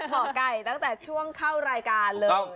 ร้องจ้อนรับหมอกัยตั้งแต่ช่วงเข้ารายการเลย